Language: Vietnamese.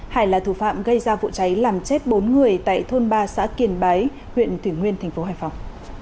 hải là thủ phạm gây ra vụ cháy làm chết bốn người tại thôn ba xã kiền bái huyện thủy nguyên tp hải phòng